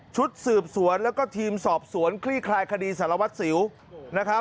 ชุดสืบสวนแล้วก็ทีมสอบสวนคลี่คลายคดีสารวัตรสิวนะครับ